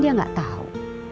kan dia gak tahu